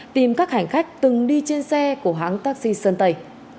tìm các hành khách từng đi trên xe của hãng taxi sơn tây